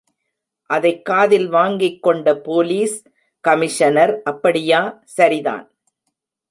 அதைக் காதில் வாங்கிக் கொண்ட போலீஸ் கமிஷனர், அப்படியா, சரிதான்.